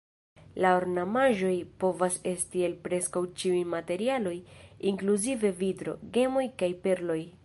La ornamaĵoj povas esti el preskaŭ ĉiuj materialoj inkluzive vitro, gemoj kaj perloj.